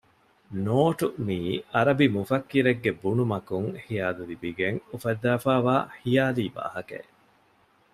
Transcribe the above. ނޯޓު މިއީ އަރަބި މުފައްކިރެއްގެ ބުނުމަކުން ޚިޔާލު ލިބިގެން އުފައްދައިފައިވާ ޚިޔާލީ ވާހަކައެއް